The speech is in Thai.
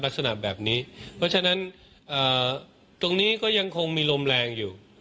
ลักษณะแบบนี้เพราะฉะนั้นตรงนี้ก็ยังคงมีลมแรงอยู่